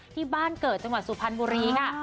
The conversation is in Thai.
ที่บ้านเกิดจังหวัดสุพรรณบุรีค่ะ